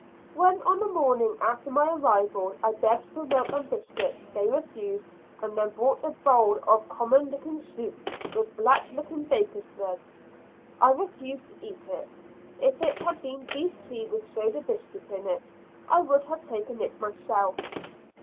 When, on the morning after my arrival, I begged for milk and biscuit, they refused, and then brought a bowl of common looking soup with black looking bakers' bread. I refused to eat it; if it had been beef tea with soda biscuit in it, I would have taken it myself.